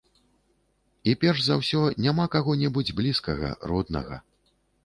І перш за ўсё няма каго-небудзь блізкага, роднага.